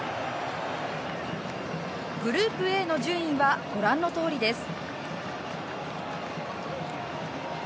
グループＡの順位はご覧のとおりです。